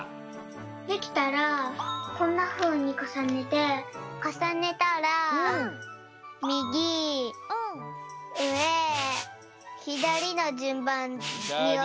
できたらこんなふうにかさねてかさねたらみぎうえひだりのじゅんばんにおるよ。